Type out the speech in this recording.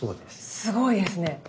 すごいですね。